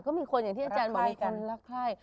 ก็มีคนอย่างที่อาจารย์บอกมีคนรักไข้